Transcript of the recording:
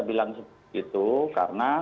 bilang begitu karena